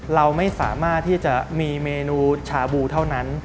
เราไม่สามารถที่จะมีเมนูชาบูเท่านั้น